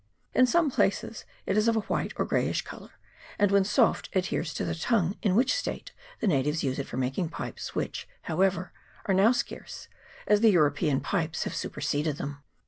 In some places it is of a white or greyish colour, and when soft adheres to the tongue, in which state the natives use it for making pipes, which, however, are nowr scarce, as the European pipes have super seded them.